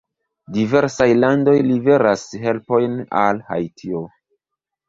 Diversaj landoj liveras helpojn al Haitio.